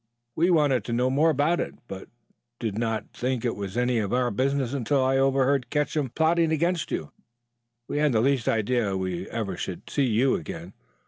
We wanted to know more about it, but did not think it was any of our business until I overheard Ketcham plotting against you. We hadn't the least idea we ever should see you again.